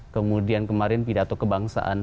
kemudian kemarin pidato kebangsaan